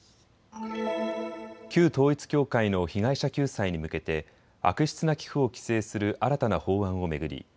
旧統一教会の被害者救済に向けて悪質な寄付を規制する新たな法案を巡り